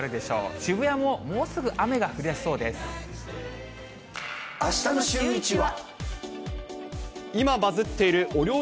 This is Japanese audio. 渋谷ももうすぐ雨が降りだしそうあしたのシューイチは。